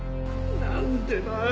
何でだよ？